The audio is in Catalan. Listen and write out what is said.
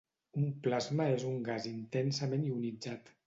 Un plasma és un gas intensament ionitzat.